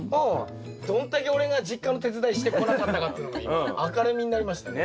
どんだけ俺が実家の手伝いしてこなかったかっていうのが今明るみになりましたね。